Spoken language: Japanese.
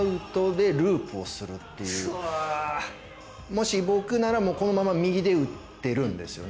もし僕ならこのまま右で打ってるんですよね。